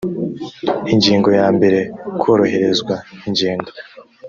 ingingo ya mbere koroherezwa ingendo